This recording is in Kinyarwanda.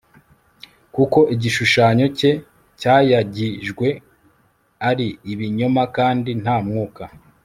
kuko igishushanyo cye cyayagijwe ari ibinyoma kandi nta mwuka